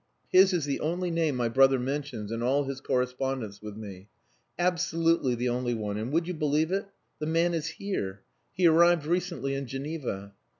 His is the only name my brother mentions in all his correspondence with me. Absolutely the only one, and would you believe it? the man is here. He arrived recently in Geneva."